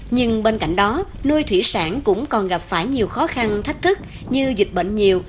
nhưng bên cạnh đó nuôi thủy sản cũng còn gặp phải nhiều khó khăn thách thức như dịch bệnh nhiều